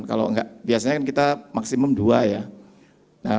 kalau enggak biasanya kan kita maksimum dua ya